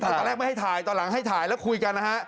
ตอนแรกไม่ให้ถ่ายตอนหลังให้ถ่ายแล้วคุยกันนะฮะ